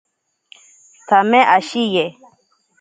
Tsame ashiye.